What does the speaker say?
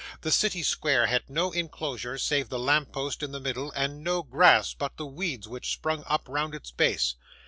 The city square has no enclosure, save the lamp post in the middle: and no grass, but the weeds which spring up round its base.